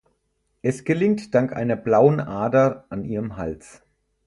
Es gelingt dank einer blauen Ader an ihrem Hals.